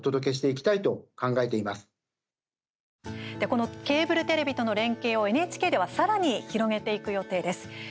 このケーブルテレビとの連携を、ＮＨＫではさらに広げていく予定です。